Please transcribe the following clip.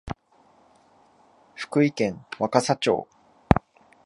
福井県若狭町